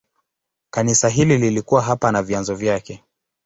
Kanisa hili lilikuwa hapa na vyanzo vyake.